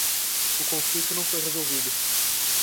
O conflito não foi resolvido.